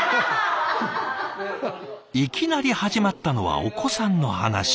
いきなり始まったのはお子さんの話。